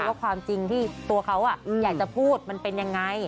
ว่าความจริงที่ตัวเขาอยากจะพูดมันเป็นยังไง